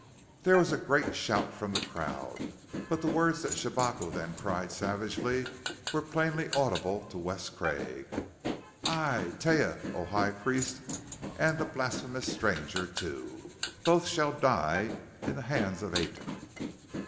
There was a great shout from the crowd, but the words that Shabako then cried savagely were plainly audible to Wes Craig. "Aye. Taia. O High Priest and the blasphemous stranger, too! Both shall die in the hands of Aten!"